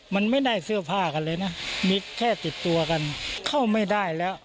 มันไม่ได้เสื้อผ้ากันเลยนะมีแค่ติดตัวกันเข้าไม่ได้แล้ว